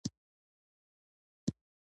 غیرتمند د دوست په غم کې شریک وي